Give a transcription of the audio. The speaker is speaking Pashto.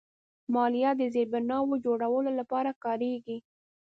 مالیه د زیربناوو جوړولو لپاره کارېږي.